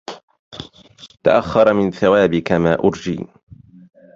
تأخر من ثوابك ما أرجي